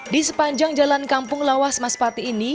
di sepanjang jalan kampung lawas mas pati ini